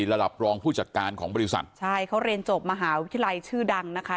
รองผู้จัดการของบริษัทใช่เขาเรียนจบมหาวิทยาลัยชื่อดังนะคะ